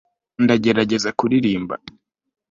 ndagerageza kuririmba